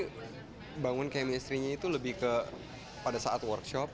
membangun kemistri itu lebih ke pada saat workshop